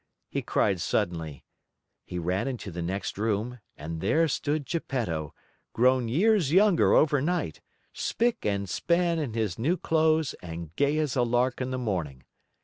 he cried suddenly. He ran into the next room, and there stood Geppetto, grown years younger overnight, spick and span in his new clothes and gay as a lark in the morning.